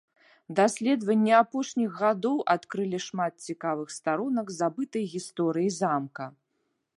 Даследаванні апошніх гадоў адкрылі шмат цікавых старонак забытай гісторыі замка.